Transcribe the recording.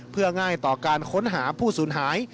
เพื่อง่ายต่อการค้นหาผู้สูญหาย